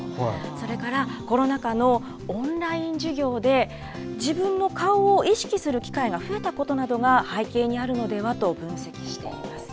それからコロナ禍のオンライン授業で、自分の顔を意識する機会が増えたことなどが背景にあるのではと分析しています。